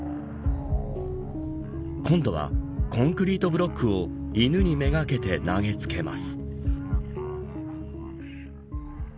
今度は、コンクリートブロックを犬にめがけて投げつけます。